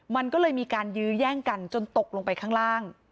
มันก็เลยมีการยื้อแย่งกันจนตกลงไปข้างล่าง